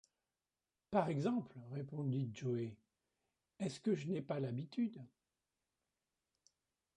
Par exemple! répondit Joe ; est-ce que je n’ai pas l’habitude...